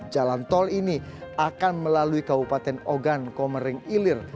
jalan tol ini akan melalui kabupaten ogan komering ilir